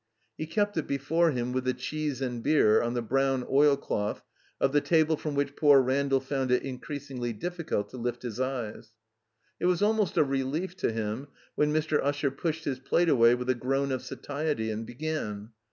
He kept it before him, with the cheese and beer, on the brown oil cloth of the table from which poor Randall found it increasingly difficult to lift his eyes. It was almost a relief to him when Mr. Usher pushed his plate away with a groan of satiety, and began.